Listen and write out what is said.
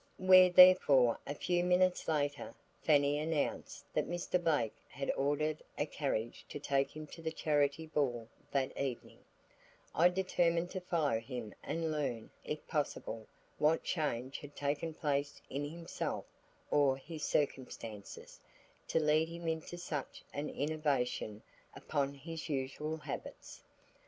When, therefore, a few minutes later, Fanny announced that Mr. Blake had ordered a carriage to take him to the Charity Ball that evening, I determined to follow him and learn if possible what change had taken place in himself or his circumstances, to lead him into such an innovation upon his usual habits.